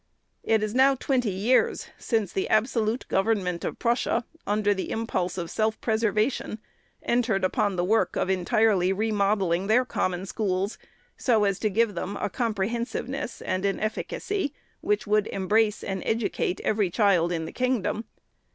It is now twenty years, since the absolute government of Prussia, under the impulse of self preservation, entered upon the work of entirely remodelling their Common Schools, so as to give them a comprehensiveness and an efficacy which would embrace and educate every child in the kingdom.